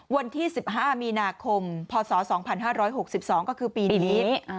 วันที่๑๕มีนาคมพศ๒๕๖๒ก็คือปีนี้